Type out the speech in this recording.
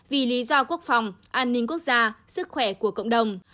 vì lý do quốc phòng an ninh quốc gia sức khỏe của cộng đồng